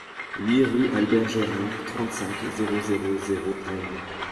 huit rue Albert Gérard, trente-cinq, zéro zéro zéro, Rennes